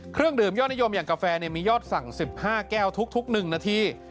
เครื่องดื่มยอดนิยมอย่างกาแฟมียอดสั่ง๑๕แก้วทุก๑นาที